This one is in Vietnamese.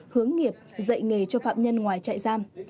hướng nghiệp dạy nghề cho phạm nhân ngoài trại giam